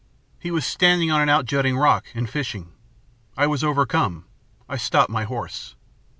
He was standing on an outjutting rock and fishing. I was overcome. I stopped my horse.